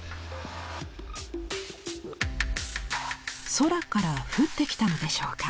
空から降ってきたのでしょうか。